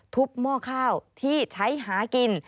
หม้อข้าวที่ใช้หากิน